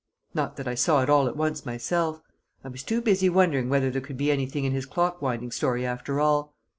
Not that I saw it all at once myself. I was too busy wondering whether there could be anything in his clock winding story after all.